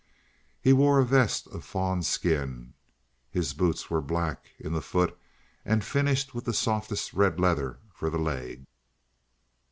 He wore a vest of fawn skin; his boots were black in the foot and finished with the softest red leather for the leg.